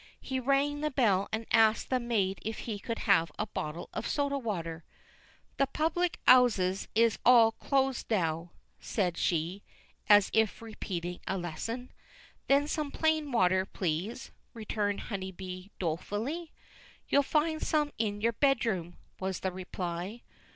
He rang the bell and asked the maid if he could have a bottle of soda water. "The public 'ouses is all closed now," said she, as if repeating a lesson. "Then some plain water please," returned Honeybee dolefully. "You'll find some in your bedroom," was the reply.